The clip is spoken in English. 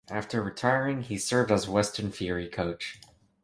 After retiring he served as Western Fury coach.